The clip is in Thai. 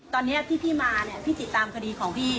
ตอนนี้ที่พี่มาเนี่ยพี่ติดตามคดีของพี่